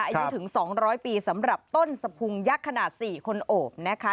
อายุถึง๒๐๐ปีสำหรับต้นสะพุงยักษ์ขนาด๔คนโอบนะคะ